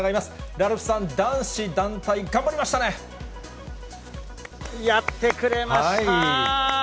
ラルフさん、男子団体、頑張りまやってくれました。